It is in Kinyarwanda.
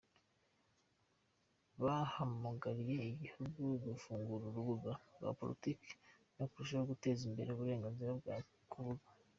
Bahamagariye igihugu gufungura urubuga rwa politiki no kurushaho guteza imbere uburenganzira bwo kuvuga.